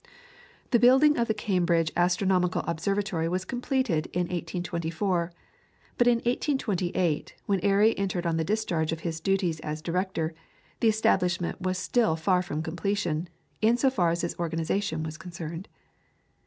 The building of the Cambridge Astronomical Observatory was completed in 1824, but in 1828, when Airy entered on the discharge of his duties as Director, the establishment was still far from completion, in so far as its organisation was concerned.